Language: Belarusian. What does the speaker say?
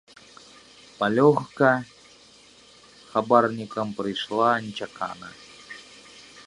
Палёгка хабарнікам прыйшла нечакана.